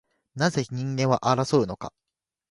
なぜ人間は争うのか